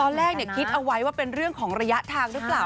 ตอนแรกคิดเอาไว้ว่าเป็นเรื่องของระยะทางหรือเปล่า